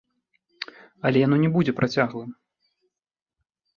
Але яно не будзе працяглым.